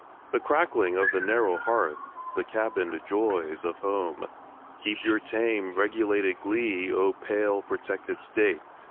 The crackling of the narrow hearth, The cabined joys of home! Keep your tame, regulated glee, O pale protected State!